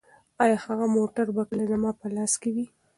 ایا هغه موټر به کله زما په لاس کې وي؟